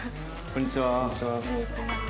こんにちは。